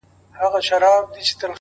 تبصره: ذبیح الله شفق